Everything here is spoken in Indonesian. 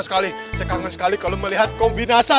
saya kangen sekali kalau melihat kau binasa